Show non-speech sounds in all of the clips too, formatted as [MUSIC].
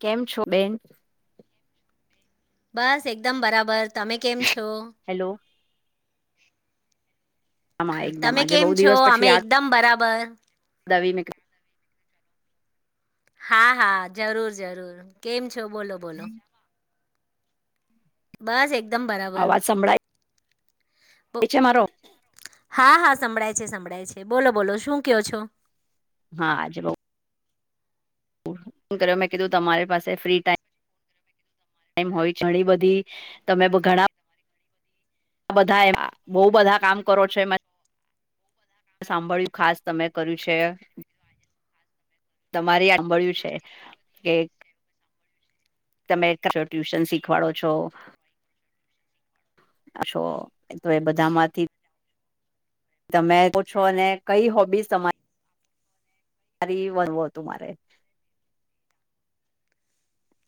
કેમ છો બેન. બસ એકદમ બરાબર તમે કેમ છો. હેલો આમાં એકદમ તમે આજે કેમ છો અમે એકદમ બરાબર. દવી મિક હા હા જરૂર જરૂર કેમ છો બોલો બોલો. બસ એક તમ બરાબર અવાજ સંભળાય છે મારો હા હા સંભળ છે. સંભળાય છે બોલો બોલો શું કો છો હા આજ બો કર્યો મેં કીધું તમારી પાસે ફ્રી ટાઈમ ટાઈમ હોય ઘણી બધી તમે ઘણા આ બધા એ બહુ બધા કામ કરો છો સાંભળ્યું ખાસ તમે કર્યું છે. તમારી આબળ્યું છે કે તમે કો ટ્યુશન શીખવાડો છો. છો તો એ બધામાંથી તમે પૂછો અને કઈ હોબીસ તમારી સારી વનવું હતું મારે.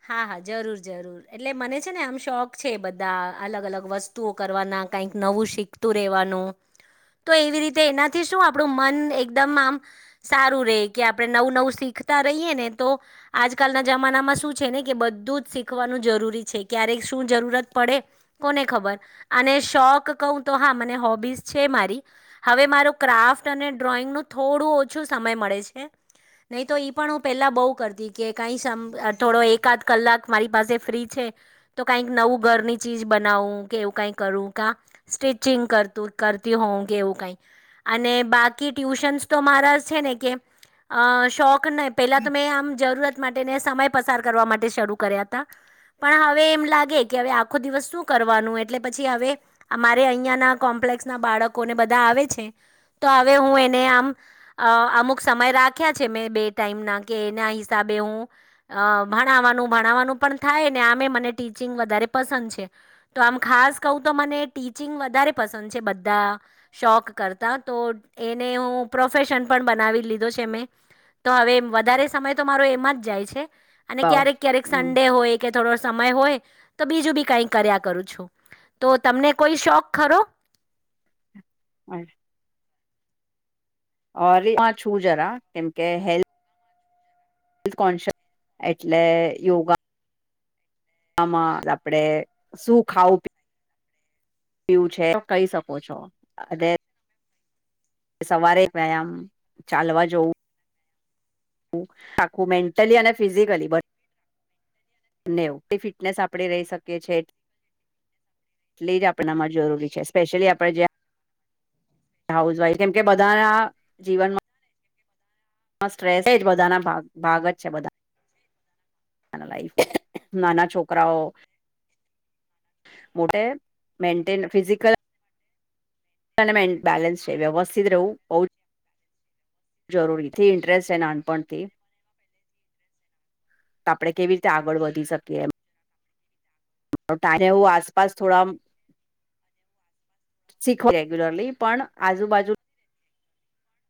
હા હા જરૂર જરૂર એટલે મને છે ને આમ શોખ છે બધા અલગ અલગ વસ્તુઓ કરવાના. કઈક નવું શીખતું રેવાનું. તો એવી રીતે એનાથી શું આપણું મન એકદમ આમ સારું રહે કે આપણે નવું નવું શીખ રહી ને તો આજકાલના જમાનામાં શ ને કે બધું જ શીખવાનું જરૂરી છે ક્યારે શું જરૂરત પડે કોને ખબર અને શો ક તો હા મને હોબી છે મારી હવે મા ક્રાફ્ટ અને ડ્રોઈંગ થો. થો ઓછો સમય મળે છે નહી તો પણ હું પેલા બહ કરતી કે કઈ થોડો એકાદ કલાક મારી પાસે ફ્રી છે તો કઈક નવું ઘરની ચીજ બનાવું કે એવું કઈક સચિંગ કર હો કેવું ક બાકી ટ્યુશ તો મારા છે ને કે શોખ ન પેલા તો મેં આમ જરૂરત માટે સમય પસાર કરવા માટે શરૂ કર્યા હતા. પણ હવે એમ લાગે કે હવે આખો દિવસ શું કરવાનું એટલે પછી હવે અમારે અહીયાં ના કોમ્પ [UNINTELLIGIBLE] ના બાળકોને બધા આવે છે. તો હવે હું એને આમ અમુક સમય રાખ્યા છે મેં બે ટાઈમ ના કે એના હિસાબે બેવું અ ભણાવવાનું ભણાવવાનું પણ થાય ને આમે મને ટીચિંગ વધારે પસંદ છે તો આમ ખાસ ખાસ કઉ તો મને ટીચિંગ વધારે પસંદ છે બધા શોખ કરતા તો એને પ્રોફેશન પણ બનાવી લીધું છે મે તો હવે વધારે સમય તો મારો એમાં જ જાય છે. અને વાવ. ક્યારેક ક્યારેક હમ. સંડે હોય કે થોડો સમય હોય તો બીજું બી કઈક કર્યા કરું છું. તો તમને કોઈ શોખ ખરો હ ઓ [UNINTELLIGIBLE] એમાં છું જરા કેમકે હેલ્થ હેલ્થ કોન્શિયસ એટલે યોગા આમાં આપડે શું ખાવું પી [UNINTELLIGIBLE] છે કહી શકો છો. સવારે એક વ્યાયામ ચાલવા જવું આખું મેન્ટલી અને ફિઝિકલી બ અને ઉપઈ ફિટનેસ આપણે રહી શકીએ છે. એટલી [UNINTELLIGIBLE] જ આપણામાં જરૂરી છે સ્પેશિયલી આપણે જ્યાં હાઉસ વાઈફ કેમ કે બધાના જીવનમાં માં સ્ટ્રેસ એ જ બધાના ભાગ જ છે બધા ના લાઈફ નાના છોકરાઓ મોટે મેન્ટેન ફિઝિકલ નમેન્ટ બ બેલેનસ વ્યવસ્થિત રવું જરૂરીથી ઇન્ટરેસ્ટ છે નાનપણથી તો આપણે કેવી રીતે આગળ વધી શકીએ એમ ત હું આસપાસ થોડા શીખ રેગ્યુલરલી પણ આજુબાજુ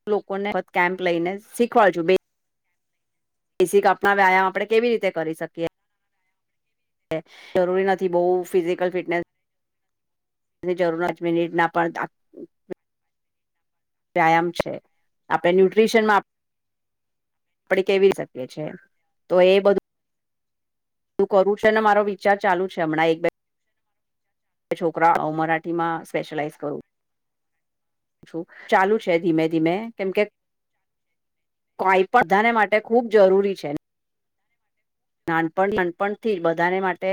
હું લોકોને કેમ્પ લઈને શીખવાડું છું બે બેસિક આપણા વ્યાયામ આપડણે કેવી રીતે કરી શકીએ? જરૂરી નથી બહુ ફિઝિકલ ફિટનેસ તેની જરૂર જ મિનિટના પણ દાખ વ્યાયામ છે આપણે ન્યુટ્રીશનમાં આપડી કેવી શકીએ છે તો એ બધું તું કરું છે ને મારો વિચાર ચાલુ છે હમણાં એક બે છોકરા મરાઠીમાં સ્પેશ્યલાઈઝ કરું છું ચાલુ છે ધીમે ધીમે કેમ કે કઈ પણ બધાને માટે ખૂબ જરૂરી છે નાનપણ નાનપણથી બધાને માટે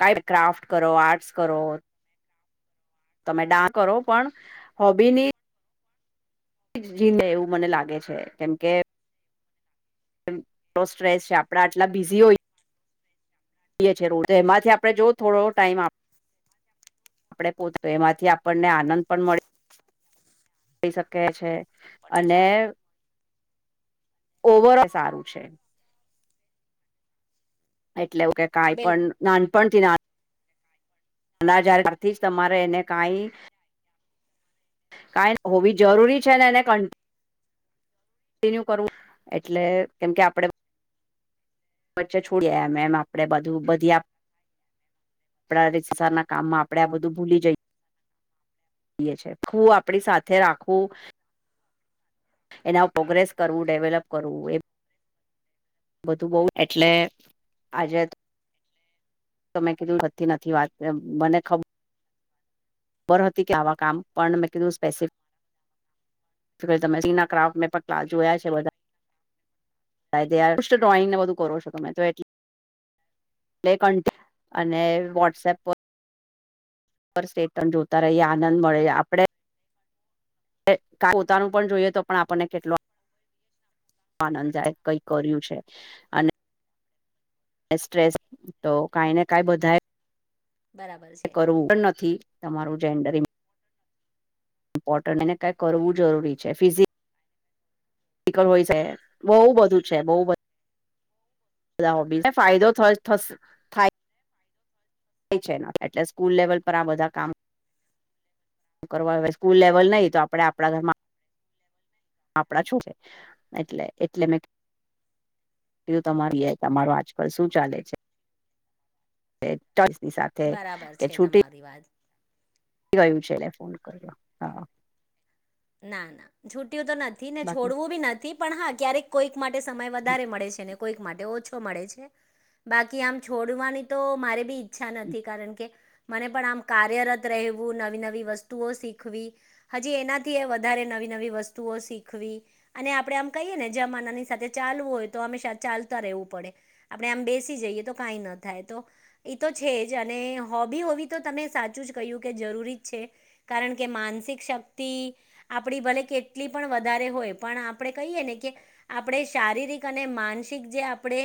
ક ક્રાફ્ટ કરો આર્ટ્સ કરો તમે ડાન્સ કરો પણ હોબીની જીંદ એવું મને લાગે છે કેમ કે સ્ટ્રેસ છે આપડા આટલા બિઝી હોય એ છે રો તો એમાંથી આપડણે જો થોડો ટાઈમ આપ આપણે પોતે એમાંથી આપણને આનંદ પણ મળે શકે છે અને ઓવર સારું છે એટ કઈ બિલ પણ નાનપણ થી ના અનાજ તથી જ તમારે એને કાંઈ કાંઈ હોવી જરૂરી છે ને એને ક કૉંટીનુએ કરવું એટલે કેમ કે આપડે વચ્ચે છોડી આયા મેમ [INAUDIBLE] આપડે બધું બધી આપ આપણા રેતસારના કામમાં આપણે આ બધું ભૂલી જઈએ એ છે ખું આપડી સાથે રાખવું એના પ્રોગ્રેસ કરવું ડેવલપ કરવું એ બધું બહુ એટલે આજે મેં કીધું બતી નથી વાત મને ખબર બર હતી કે આવા કામ પણ મેં કીધું સ્પેસિફિક આ તમે સીના ક્રાફ્ટ મે પકલા જોયા છે બધા સાદષ [INAUDIBLE] ડ્રોઈંગને બધું કરો છો મેમે તો એટ ક અને વોટ્સએપ પર સેટણ જોતા રહીએ આનંદ મળે આપણે પોતાનું પણ જોઈએ તો પણ આપણને કેટલો [UNINTELLIGIBLE] આનંદ કઈ કર્યું છે. અને સ્ટ્રેસ તો કઈ ને કાંઈ બધાય બરાબર છે કરવું પણ નથી તમારું જેન્ડરીગ ઇમ્પોર્ટન્ટ એને કાંઈ કરવું જરૂરી છે. ફિઝિક્સ હોય છે. બહુ બધું છે. બહુ બધું બધા ને હો ફાયદો થ થાય. થાય છે. એટલે સ્કૂલ લેવલ પર આ બધા કામ શું કરવા સ્કૂલ લેવલ નહી તો આપણે આપણા ઘરમાં આપડા છું. છે. એટલે એટલે મેં એ તમારી એ તમારો આજકાલ શું ચાલે છે. ઑચોસની સાથે બરાબર કે છે છુટી તમારી [UNINTELLIGIBLE] વાત યું છે. [UNINTELLIGIBLE] એ ફોન કર્યો હા ના ના છૂટ્યું તો નથી ને બાકી છોડવું બી નથી પણ હા ક્યારેક. કોઈક માટે સમય વધારે મળે છે. કોઈક માટે ઓછો મળે છે. બાકી આમ છોડવાની તો મારે બી ઈચ્છા નથી કારણ કે. મને પણ આમ કાર્યરત રહેવું નવી નવી વસ્તુઓ શીખવી હજી એના વધારે નવી નવી વસ્તુઓ શીખવી અને આપડે આમ કહીએ ને જમાંનાની સાથે ચાલવું હોય તો હંમેશા ચાલતા રહેવું પડે આપણે આમ બેસી જઈએ તો કાંઈ ન થાય તો એ તો છે. જ અને અને હોબી હોવી તો તમે સાચું જ કહ્યું કે જરૂરી જ છે. કારણ કે માનસિક શક્તિ આપણી ભલે કેટલી પણ વધારે હોય પણ આપણે કહીએ ને કે આપણે શારીરિક અને માનસિક જે આપણે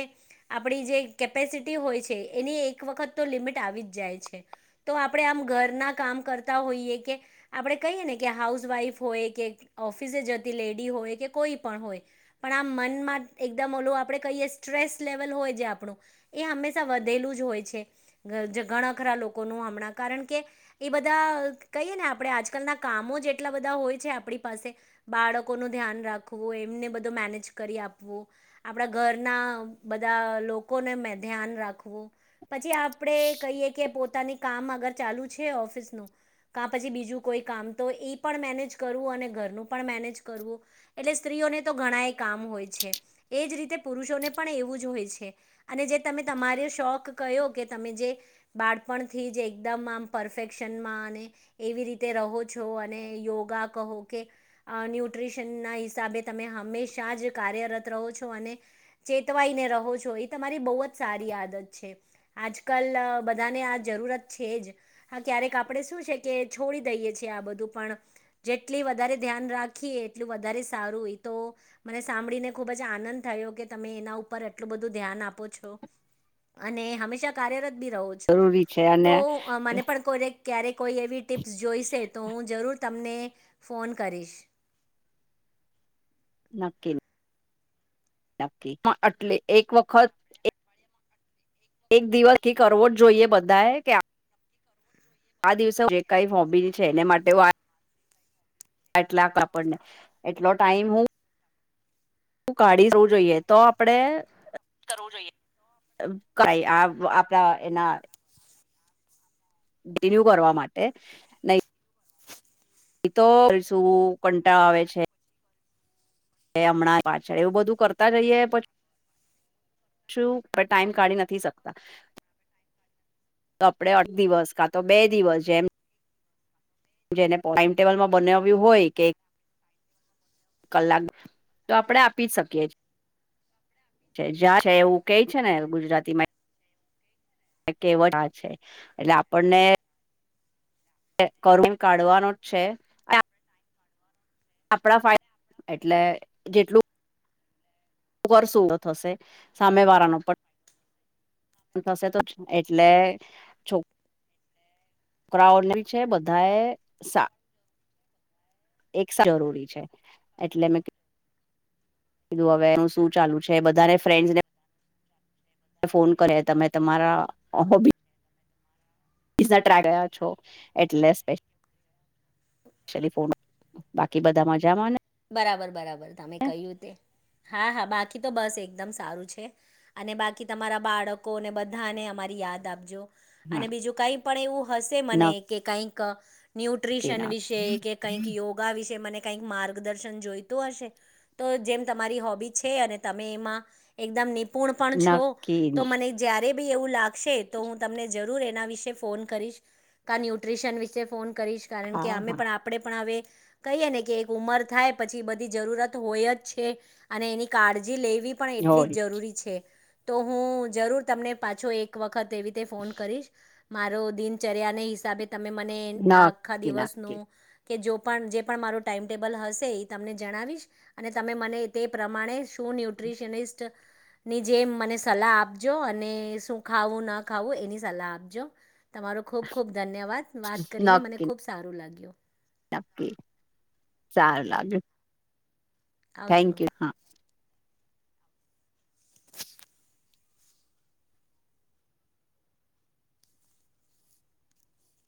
આપણી જે કેપેસિટી હોય છે. એની એક વખત તો લિમિટ આવી જાય છે. જાય છે. તો આપણે આમ ઘરના કામ કરતા હોઈએ કે આપડે કહીએ ને કે હાઉસ વાઈફ હોય કે ઓફિસે જતી લેડી હોય કે કોઈ પણ હોય પણ આ મનમાં એકદમ ઓલો આપ કહી સ્ટસ લેવલ હોય આપણું એ હંમેશા વધેલું જ હોય છે. રા લોકો હમણાં કારણ કે એ બધા કહીએ ને આપણે આજકાલના કામો જટલા બધા બધા હોય છે. આપણી પાસે બાળકો નું ધ્યાન રાખવું એમને બધું મેનેજ કરી આપવું આપણા ઘરના બધા લોકોને મેં ધ્યાન રાખવું પછી આપડે કહીએ કે પોતાની કામગર ચાલુ છે. ઓફિસ ન ક પછી બીજું કોઈ કામ તો એ પણ મેનેજ કરવું અને ઘરનું પણ મેનેજ કરવું એટલે સ્ત્રીઓને તો ઘણા એ કામ હોય છે. એજ રીતે પુરુષોને પણ એવું જ હોય છે. અને જે તમે તમારે શોખ કહ્યો કે તમે જે બાળપણથી જ એકદમ આમ પરફેક્શનમાં અને એવી રીતે રહો છો. અને યોગા કહો કે ન્યુટ્રીશન ના હિસાબે તમે હંમેશા જ કાર્યરત રહો ચેતવાઈને રહો છો. એ તમારી બહુ જ સારી આદત છે. આજકાલ બધાને આ જરૂરત છે. જ હા ક્યારેક આપણે શું છે. કે છોડી દઈએ છીએ. છે આ બધું પણ, જેટલી વધારે ધ્યાન રાખીએ એટલું વધારે સારું તો મને સાંભળીને ખુબ જ આનંદ થયો કે તમે એના ઉપર એટલું બધું ધ્યાન આપો છો. અને હંમેશા કાર્યરત રહો છો. જરૂરી છે તો અને મને પણ કોય દ ક્યારે કોઈ એવી ટીપ્સ જોઈશે તો હું જરૂર તમને ફોન કરીશ. નકકી. પણ એટલે એક વખત એક દિવસથી કરવો જોઈએ બધાએ કે આ દિવસે જે કઈ હોબી છે. એને માટે વાત ટલાકપડને એટલો ટાઈમ હુ [UNINTELLIGIBLE] શું કાઢી જવું જોઈએ તો આપડે- કરવું જોઈએ. કઈ આ આપણા એના રિન્યુ કરવા માટે નહી. એ તો શું કંટાળો આવે છે. એ હમણાં પાછળ એવું બધું કરતા રઈએ પછી શું પણ ટાઈમ કાઢી નથી શકતા. તો આપણે અઠ દિવસ કા તો બે દિવસ જેમ જેને ટાઈમટેબલમાં બનાવ્યું હોય કે કલાક તો આપડે આપી જ શકીએ. જ છે એવું કઈ છે ને ગુજરાતીમાં કેવટ છે એટલે આપણને કરુણ કાઢવાનું જ છે આ આપણા ફાયદા એટલે જેટલું કરશું તો થશે સામે વાળા નો પણ થશે તો જ એટલે છોક ક્રાઉનલ છે બધાએ સા એક જરૂરી છે એટલે મેં કીધું હવે એનું શું ચાલુ છે બધાને ફ્રેન્ડ્સને ફોન કરે તમે તમારા હોબી [UNINTELLIGIBLE] ગયા છો એટલે ચલી ફો બાકી બધા મજામાંને બરાબર બરાબર તમે કયું તે હા હા બાકી તો બસ એકદમ સારું છે અને બાકી તમારા બાળકોને બધાને અમારી યાદ આપજો હા અને બીજું કઈ પણ એવું હશે મને કે કઈક નક્કી ન્યુટ્રીશન વિશે કે નક્કી કંઈક યોગા વિશે મને કઈક માર્ગ ન જોઈતું હશે તો જેમ તમારી હોબી છે અને તમે એમાં એકદમ નિપુણ પૂર્ણ પણ છો તો નક્કી મને જ્યારે બી એવું લાગશે તો હું તમને જરૂર એના વિશે ફોન કરીશ કા ન્યુટ્રીશન વિશે ફોન- કરીશ કારણ કે હા અમે હા પણ આપણે પણ હવે કહીએ ને કે એક ઉંમર થાય પછી બધી જરૂરત હોય જ છે અને એની કાળજી જી લેવી પણ એટલી જ જરૂરી છે તો હું જરૂર તમને પાછો એક વખત એવી રીતે ફોન કરી મારો દિનચર્યા ના હિસાબે તમે મને આ આખા દિવસનો કે જો પણ જે પણ મારો ટાઈમટેબલ હશે. તે એ તમને જણાવીશ અને તમે મને તે પ્રમાણે શું ન્યુટ્રીશનિસ્ટ ની જે મને સલાહ આપજો અને શું ખાવું ના ખાવું એની સલાહ આપજો. તમારો ખૂબ ખૂબ ધન્યવાદ વાત કરીને મને ખૂબ સારું લાગ્યું. નક્કી સારું લાગ્યું. થેન્ક આવજો યુ હા